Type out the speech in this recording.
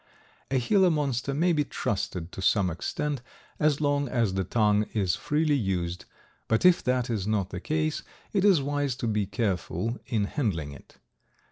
A Gila Monster may be trusted to some extent as long as the tongue is freely used, but if that is not the case it is wise to be careful in handling it.